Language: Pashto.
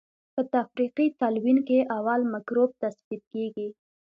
په تفریقي تلوین کې اول مکروب تثبیت کیږي.